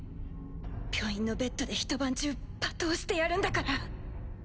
病院のベッドでひと晩中罵倒してやるんだから。